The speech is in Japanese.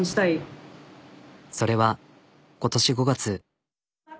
それは今年５月。